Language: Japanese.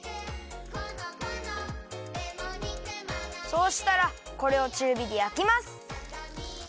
そうしたらこれをちゅうびでやきます。